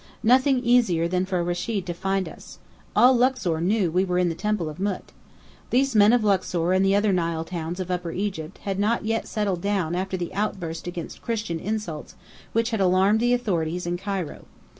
Nothing easier than for Rechid to find us. All Luxor knew we were in the Temple of Mût. These men of Luxor and other Nile towns of Upper Egypt, had not yet settled down after the outburst against Christian insults which had alarmed the authorities in Cairo.